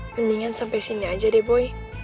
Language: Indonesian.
mendingan sampai sini aja deh boy